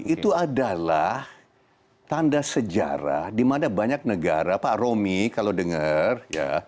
itu adalah tanda sejarah dimana banyak negara pak romy kalau dengar ya